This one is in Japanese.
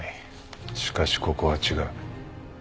しかしここは違う。